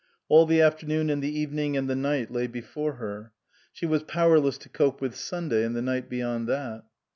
All the afternoon and the evening and the night lay before her ; she was powerless to cope with Sunday and the night beyond that.